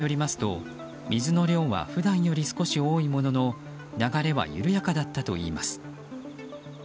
近くの住民によりますと水の量は普段より少し多いものの流れは緩やかだったといいます。